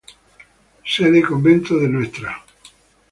Sede: Convento de Ntra.